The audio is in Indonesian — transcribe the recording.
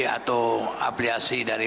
atau apliasi dari